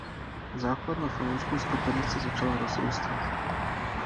Základna fanoušků skupiny se začala rozrůstat.